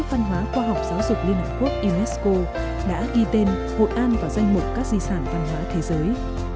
văn hóa khoa học giáo dục liên hợp quốc unesco đã ghi tên hội an vào danh mục các di sản văn hóa thế giới